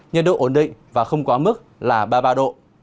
nhiệt độ ổn định và không quá mức là ba mươi ba độ